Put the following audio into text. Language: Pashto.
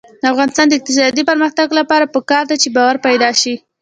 د افغانستان د اقتصادي پرمختګ لپاره پکار ده چې باور پیدا شي.